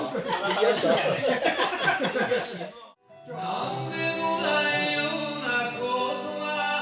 「何でもないような事が」